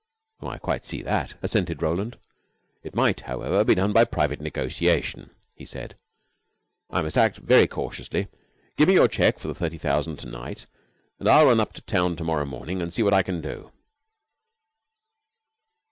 "I quite see that," assented Roland. "It might, however, be done by private negotiation," he said. "I must act very cautiously. Give me your check for the thirty thousand to night, and I will run up to town to morrow morning, and see what I can do."